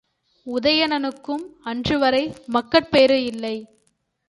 உதயணனுக்கும் அன்றுவரை மக்கட்பேறு இல்லை.